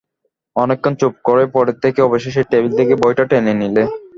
অনেকক্ষণ চুপ করে পড়ে থেকে অবশেষে টেবিল থেকে বইটা টেনে নিলে।